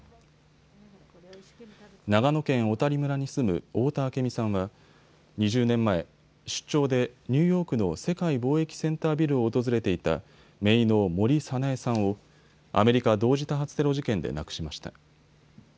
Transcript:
長野県小谷村に住む太田明美さんは２０年前、出張でニューヨークの世界貿易センタービルを訪れていためいの森早苗さんをアメリカ同時多発テロ事件で亡くしました。